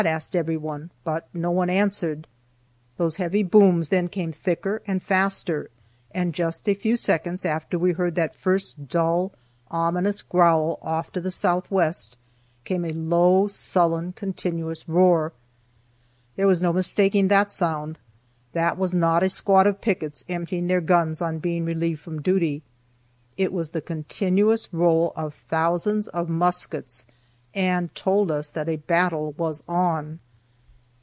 asked every one, but no one answered. Those heavy booms then came thicker and faster, and just a few seconds after we heard that first dull, ominous growl off to the southwest, came a low, sullen, continuous roar. There was no mistaking that sound. That was not a squad of pickets emptying their guns on being relieved from duty; it was the continuous roll of thousands of muskets, and told us that a battle was on.